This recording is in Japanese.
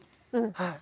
はい。